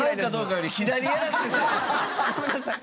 ごめんなさい。